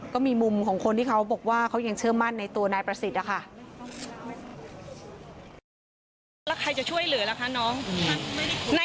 ก็มีมุมของคนที่เขาบอกว่าเขายังเชื่อมั่นในตัวนายประสิทธิ์นะคะ